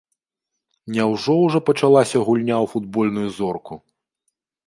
Няўжо ўжо пачалася гульня ў футбольную зорку?